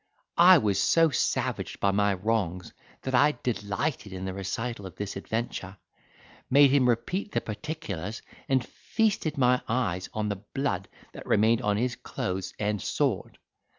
I was so savaged by my wrongs, that I delighted in the recital of this adventure, made him repeat the particulars and feasted my eyes on the blood that remained on his clothes and sword.